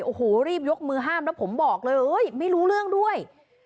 โอ้โหรีบยกมือห้ามแล้วผมบอกเลยไม่รู้เรื่องด้วย